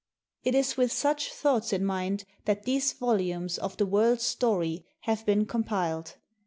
It is with such thoughts in mind that these volumes of " The World's Story" have been compiled.